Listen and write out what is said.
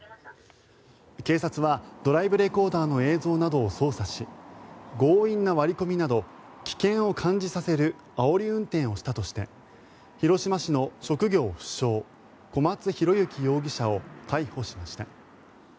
警察はドライブレコーダーの映像などを捜査し強引な割り込みなど危険を感じさせるあおり運転をしたとして広島市の職業不詳小松広行容疑者を逮捕しました。